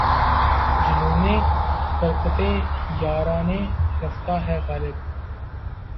جنونِ فرقتِ یارانِ رفتہ ہے غالب!